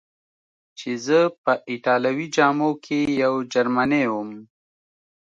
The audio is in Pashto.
چې زه په ایټالوي جامو کې یو جرمنی ووم.